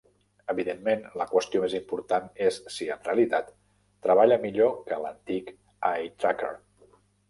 Evidentment, la qüestió més important és si en realitat treballa millor que l'antic "eye tracker".